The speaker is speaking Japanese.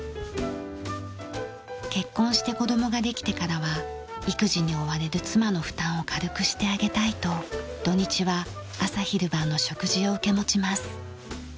結婚して子供ができてからは育児に追われる妻の負担を軽くしてあげたいと土日は朝昼晩の食事を受け持ちます。